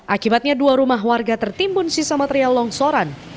akibatnya dua rumah warga tertimbun sisa material longsoran